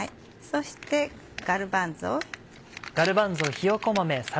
そしてガルバンゾ。